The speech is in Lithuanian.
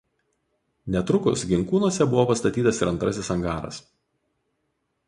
Netrukus Ginkūnuose buvo pastatytas ir antrasis angaras.